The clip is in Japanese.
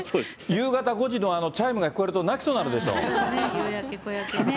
夕方５時のチャイムが聞こえると泣きそうになるでしょ？